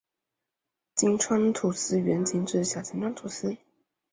金川土司原仅指小金川土司。